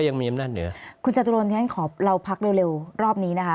ยังมีอำนาจเหนือคุณจตุรนที่ฉันขอเราพักเร็วเร็วรอบนี้นะคะ